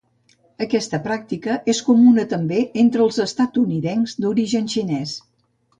Aquesta pràctica és comuna també entre els estatunidencs d'origen xinès.